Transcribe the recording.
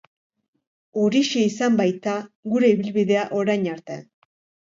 Horixe izan baita gure ibilbidea orain arte.